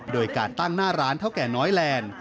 โดยการตั้งหน้าร้านเท่าแก่น้อยแลนด์